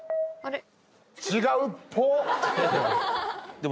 でも。